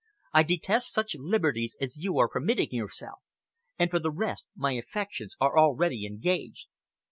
I detest such liberties as you are permitting yourself. And for the rest, my affections are already engaged."